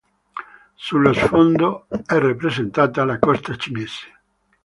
Sullo sfondo, è rappresentata la costa cinese.